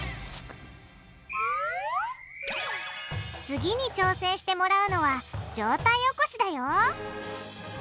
次に挑戦してもらうのは上体起こしだよ！